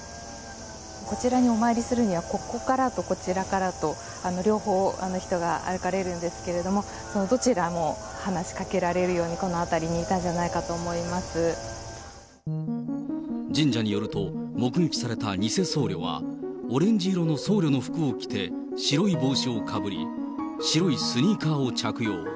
こちらにお参りするには、ここからとこちらからと、両方、人が歩かれるんですけれども、そのどちらも話しかけられるように、この辺りにいたんじゃないか神社によると、目撃された偽僧侶は、オレンジ色の僧侶の服を着て、白い帽子をかぶり、白いスニーカーを着用。